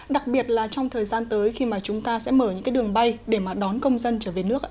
đặc biệt là trong thời gian tới khi chúng ta sẽ mở những đường bay để đón công dân trở về nước